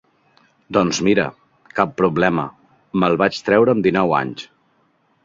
Doncs mira, cap problema, me'l vaig treure amb dinou anys.